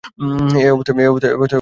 এ অবস্থায় সকাল হয়ে গেল।